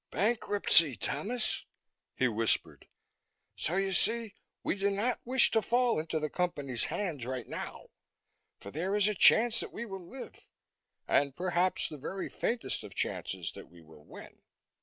"Bankruptcy, Thomas," he whispered. "So you see, we do not wish to fall into the Company's hands right now. For there is a chance that we will live ... and perhaps the very faintest of chances that we will win!"